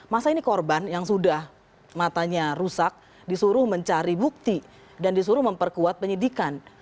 masa ini korban yang sudah matanya rusak disuruh mencari bukti dan disuruh memperkuat penyidikan